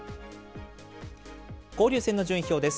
交流戦の順位表です。